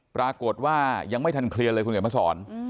ปรากฏว่ายังไม่ทันเคลียร์เลยคุณเขียนมาสอน